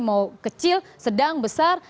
mau kecil sedang besar